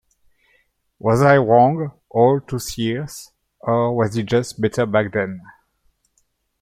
Was I wrong all those years, or was he just better back then?